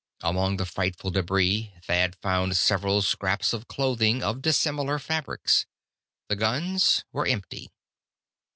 Among the frightful debris, Thad found several scraps of clothing, of dissimilar fabrics. The guns were empty.